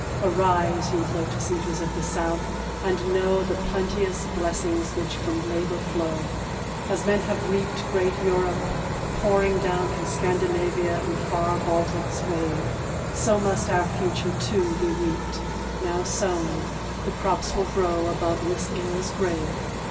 Arise, ye Lotus eaters of the South, and know The plenteous blessings which from labour flow. As men have reaped great Europe pouring down From Scandinavia and far Baltic's wave, So must our future too be reaped now sown, The crops will grow above this era's grave.